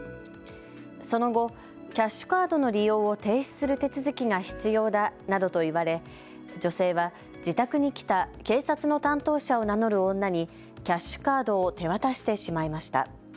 その後、キャッシュカードの利用を停止する手続きが必要だなどと言われ、女性は自宅に来た警察の担当者を名乗る女にキャッシュカードを手渡してしまいました。